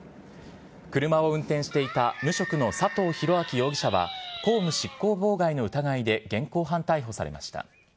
車を運転していた無職の佐藤広明容疑者は、公務執行妨害の疑いで現行犯逮捕されました。